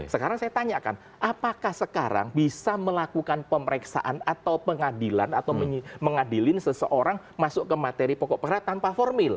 sekarang saya tanyakan apakah sekarang bisa melakukan pemeriksaan atau pengadilan atau mengadilin seseorang masuk ke materi pokok perkara tanpa formil